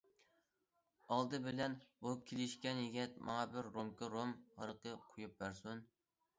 ئالدى بىلەن بۇ كېلىشكەن يىگىت ماڭا بىر رومكا رۇم ھارىقى قويۇپ بەرسۇن.